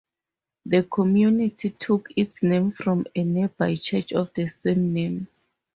The community took its name from a nearby church of the same name.